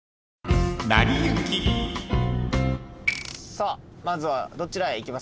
さあまずはどちらへ行きますか？